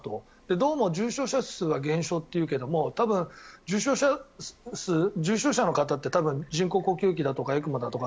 どうも重症者数は減少というけれど多分、重症者数、重症者の方って多分、人工呼吸器だとかＥＣＭＯだとか